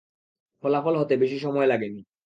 ফলাফল হতে বেশী সময় লাগেনি।